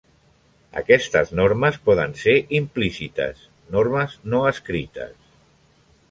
Aquestes normes poden ser implícites: normes no escrites.